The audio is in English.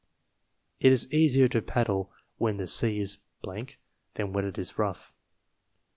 It is easier to paddle when the sea is than when it is rough.